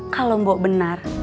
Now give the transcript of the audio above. kalau mbok benar